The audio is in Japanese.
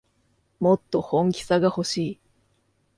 もっと本気さがほしい